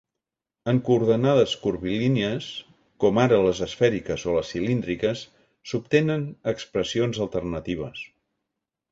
En coordenades curvilínies, com ara les esfèriques o les cilíndriques, s'obtenen expressions alternatives.